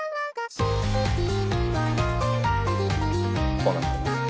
こうなってますね。